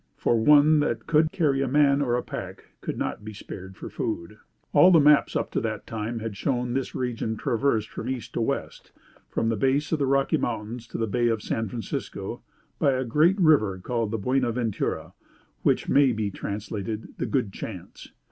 for one that could carry a man, or a pack, could not be spared for food. "All the maps up to that time had shown this region traversed from east to west from the base of the Rocky Mountains to the Bay of San Francisco by a great river called the Buena Ventura: which may be translated, the Good Chance.